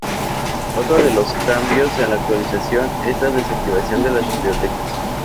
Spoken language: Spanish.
Otro de los cambios en la actualización es la desactivación de las Bibliotecas.